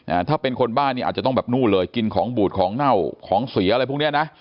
อ่าถ้าเป็นคนบ้านนี่อาจจะต้องแบบนู่นเลยกินของบูดของเน่าของเสียอะไรพวกเนี้ยนะ